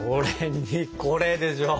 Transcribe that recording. これでしょ。